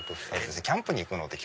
キャンプに行くのって